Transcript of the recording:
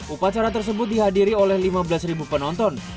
upacara tersebut dihadiri oleh lima belas penonton